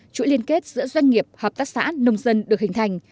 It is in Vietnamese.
chuỗi liên kết giữa doanh nghiệp hợp tác xã nông dân được hình thành